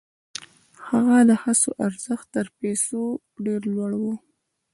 د هغه د هڅو ارزښت تر پیسو ډېر لوړ و.